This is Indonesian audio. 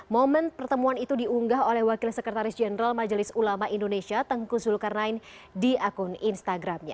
momen pertemuan itu diunggah oleh wakil sekretaris jenderal majelis ulama indonesia tengku zulkarnain di akun instagramnya